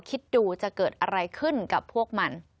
คิดดูจะเกิดอะไรขึ้นกับพวกมัน